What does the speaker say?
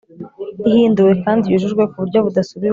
Ihinduwe kandi yujujwe ku buryo budasubirwaho